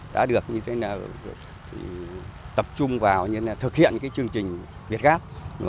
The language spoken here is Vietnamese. đã được tập trung vào thực hiện chương trình việt gáp